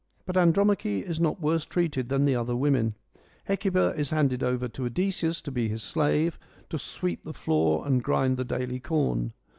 But Andromache is not worse treated than the other women. Hecuba is handed over to Odysseus to be his slave, to sweep the floor and grind the 108 FEMINISM IN GREEK LITERATURE daily corn.